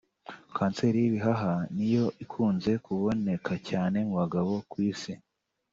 Kanseri y’ibihaha ni yo ikunze kuboneka cyane mu bagabo ku Isi